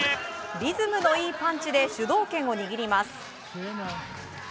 リズムのいいパンチで主導権を握ります。